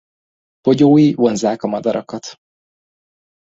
Bogyói vonzzák a madarakat.